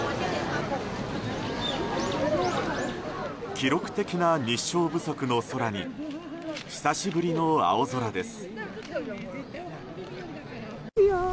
記録的な日照不足の空に久しぶりの青空です。